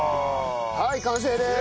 はい完成です！